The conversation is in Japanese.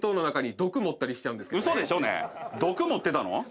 毒盛ってたの？